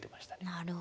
なるほど。